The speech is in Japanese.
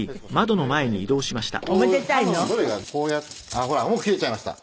こうやってほらもう切れちゃいました。